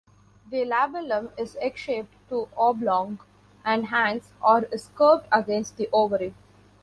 The labellum is egg-shaped to oblong and hangs or is curved against the ovary.